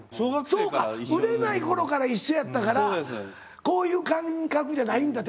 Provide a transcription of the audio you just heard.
そうか売れないころから一緒やったからこういう感覚じゃないんだ。